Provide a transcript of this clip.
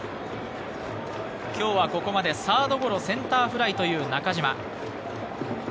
今日はここまでサードゴロ、センターフライという中島。